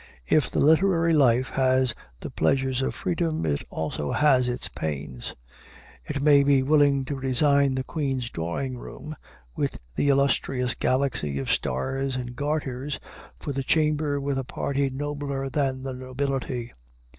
If the literary life has the pleasures of freedom, it has also its pains. It may be willing to resign the queen's drawing room, with the illustrious galaxy of stars and garters, for the chamber with a party nobler than the nobility.